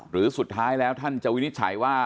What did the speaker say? หรือสุดท้ายแล้วท่านจะวินิจฉัยว่า